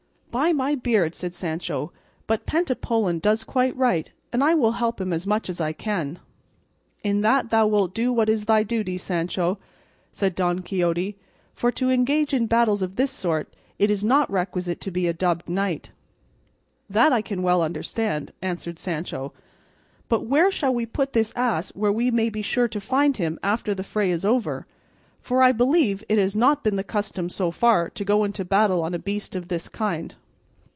"By my beard," said Sancho, "but Pentapolin does quite right, and I will help him as much as I can." "In that thou wilt do what is thy duty, Sancho," said Don Quixote; "for to engage in battles of this sort it is not requisite to be a dubbed knight." "That I can well understand," answered Sancho; "but where shall we put this ass where we may be sure to find him after the fray is over? for I believe it has not been the custom so far to go into battle on a beast of this kind."